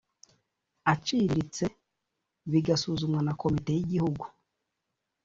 aciriritse bigasuzumwa na Komite y Igihugu